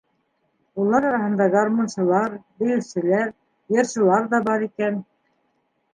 Улар араһында гармунсылар, бейеүселәр, йырсылар ҙа бар икән.